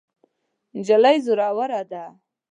نجلۍ زړوره ده.